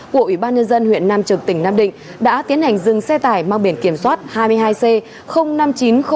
của ủy ban nhân dân huyện nam trực tỉnh nam định đã tiến hành dừng xe tải mang biển kiểm soát hai mươi hai c năm nghìn chín trăm linh